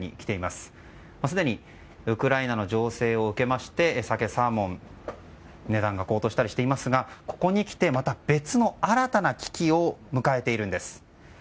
すでにウクライナの情勢を受けましてサケ、サーモン値段が高騰したりしていますがここに来て、また別の新たな危機を迎えているんです。